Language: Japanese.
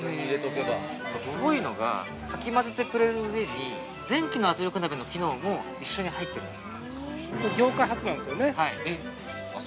すごいのが、かき混ぜてくれる、電気圧力鍋の機能も一緒に入ってるんです。